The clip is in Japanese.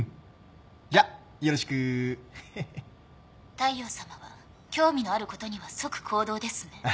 大陽さまは興味のあることには即行動ですね。